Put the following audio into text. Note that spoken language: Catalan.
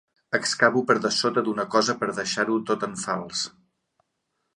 Excavo per dessota d'una cosa per deixar-ho tot en fals.